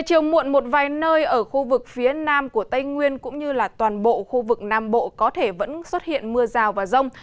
trên nơi ở khu vực phía nam của tây nguyên cũng như là toàn bộ khu vực nam bộ có thể vẫn xuất hiện mưa rào và rông